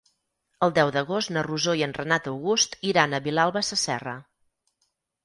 El deu d'agost na Rosó i en Renat August iran a Vilalba Sasserra.